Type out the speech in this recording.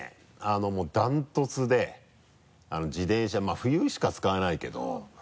もうダントツで自転車まぁ冬しか使わないけど。